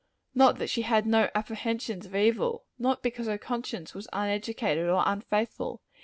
Not that she had no apprehensions of evil. Not because her conscience was uneducated, or unfaithful.